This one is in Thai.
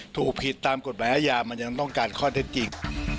ถูกผิดตามกฎหมายอาญามันยังต้องการข้อเท็จจริง